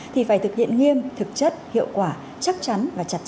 thì phải thực hiện nghiêm thực chất hiệu quả chắc chắn và chặt chẽ